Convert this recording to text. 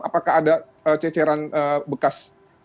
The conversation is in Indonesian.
apakah ada ceceran bekas